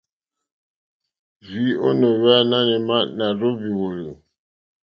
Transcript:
Rzìi ò no ohweya nanù ema, na rza ohvi woli.